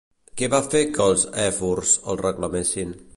Què va fer que els èfors el reclamessin?